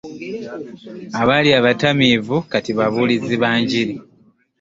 Abaali abatamiivu kati babuulizi ba njiri.